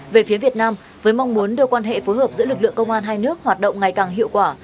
về phía việt nam với mong muốn đưa quan hệ phối hợp giữa lực lượng công an hai nước hoạt động ngày càng hiệu quả